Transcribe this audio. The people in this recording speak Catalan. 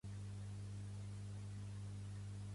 Què fa que el poble sigui encantador?